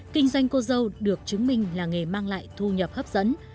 kinh doanh cổ dầu được chứng minh là nghề mang lại thu nhập hấp dẫn